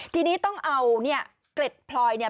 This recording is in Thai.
ทีนี้ต้องเอาเนี่ยเกล็ดพลอยเนี่ย